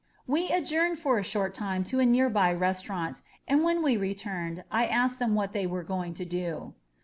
We adjourned for a short time to a nearby restau rant, and when we returned I asked them what they were going to do.